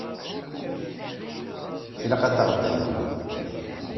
Ilaq ad taɣeḍ tanumi.